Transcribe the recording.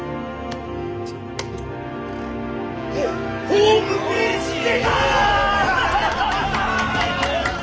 ホームページ出た！